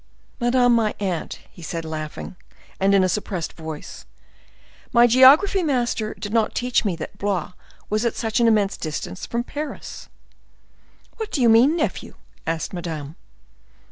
"Madame, my aunt," said he, laughing, and in a suppressed voice, "my geography master did not teach me that Blois was at such an immense distance from Paris." "What do you mean, nephew?" asked Madame.